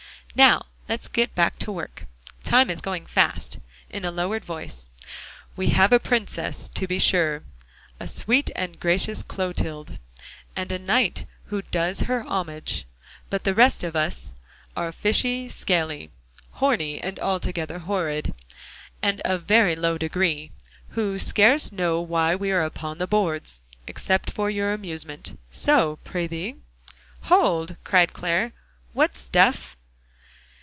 "Now let's get back to work; time is going fast." In a lowered voice: "'We have a princess, to be sure, A sweet and gracious Clotilde, And a knight who does her homage, But the rest of us Are fishy, scaly, Horny and altogether horrid, And of very low degree Who scarce know why we are upon the boards, Except for your amusement, So prithee'"? "Hold!" cried Clare, "what stuff."